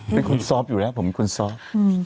เป็นคนซอฟต์อยู่แล้วผมเป็นคนซอฟต์